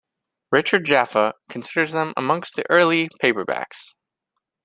Richard Jaffa considers them "amongst the early paperbacks".